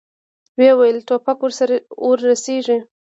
ويې ويل: ټوپک ور رسېږي!